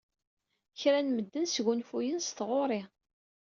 Kra n medden sgunfuyen s tɣuri.